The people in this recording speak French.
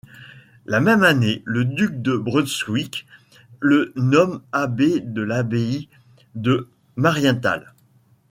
La même année, le duc de Brunswick le nomme abbé de l'abbaye de Marienthal.